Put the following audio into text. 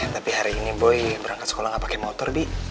tapi hari ini boy berangkat sekolah ga pake motor di